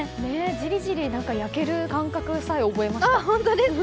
ジリジリ焼ける感覚さえ覚えました。